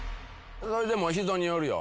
でも人によるよ。